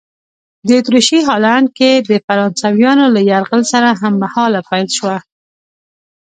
د اتریشي هالنډ کې د فرانسویانو له یرغل سره هممهاله پیل شوه.